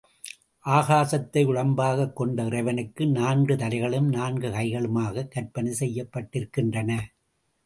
ஆகாசத்தை உடம்பாகக் கொண்ட இறைவனுக்கு நான்கு தலைகளும், நான்கு கைகளுமாக கற்பனை செய்யப்பட்டிருக்கின்றன.